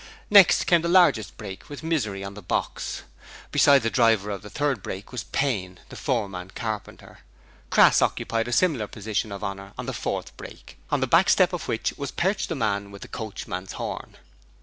Next came the largest brake with Misery on the box. Beside the driver of the third brake was Payne, the foreman carpenter. Crass occupied a similar position of honour on the fourth brake, on the back step of which was perched the man with the coachman's horn.